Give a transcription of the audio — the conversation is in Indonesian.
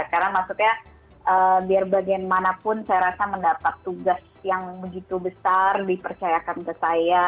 karena maksudnya biar bagian manapun saya rasa mendapat tugas yang begitu besar dipercayakan ke saya